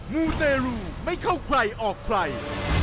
มูเตรูไม่เข้าใครออกใคร